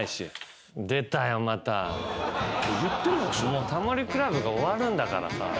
もう『タモリ倶楽部』が終わるんだからさ。